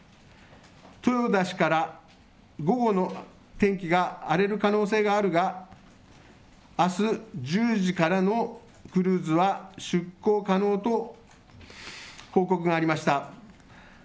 豊田氏から、午後の天気が荒れる可能性があるが、あす１０時からのクルーズは出航可能と報告がありました。